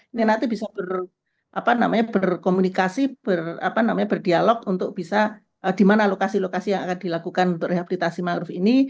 ini nanti bisa berkomunikasi berdialog untuk bisa di mana lokasi lokasi yang akan dilakukan untuk rehabilitasi ⁇ maruf ⁇ ini